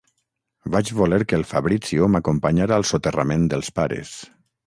Vaig voler que el Fabrizio m'acompanyara al soterrament dels pares.